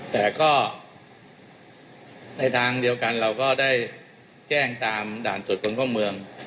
แต่ก็ในทางเดียวกันเราก็ได้แจ้งตามด่านตรวจคนเข้าเมือง